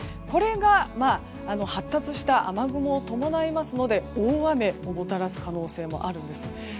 これが発達した雨雲を伴いますので大雨をもたらす可能性もあるんです。